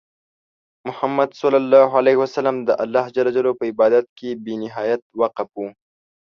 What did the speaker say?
محمد صلى الله عليه وسلم د الله په عبادت کې بې نهایت وقف وو.